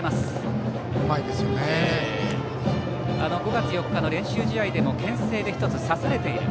５月４日の練習試合でもけん制で１つ刺されている。